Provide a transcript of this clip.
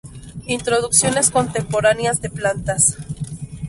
Introducciones contemporáneas de plantas.